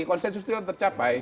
konsensus itu sudah tercapai